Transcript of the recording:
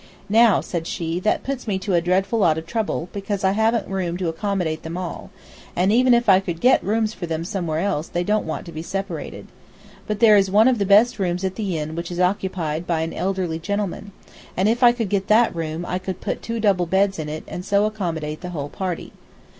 "Now," said she, "that puts me to a dreadful lot of trouble, because I haven't room to accommodate them all, and even if I could get rooms for them somewhere else they don't want to be separated. But there is one of the best rooms at the inn which is occupied by an elderly gentleman, and if I could get that room I could put two double beds in it and so accommodate the whole party.